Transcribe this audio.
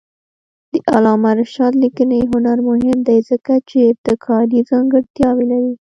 د علامه رشاد لیکنی هنر مهم دی ځکه چې ابتکاري ځانګړتیاوې لري.